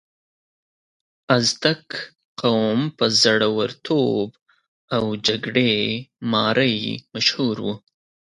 ازتک قوم په زړورتوب او جګړې مارۍ مشهور و.